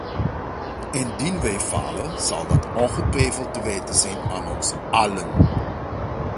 Indien wij falen, zal dat ongetwijfeld te wijten zijn aan ons allen.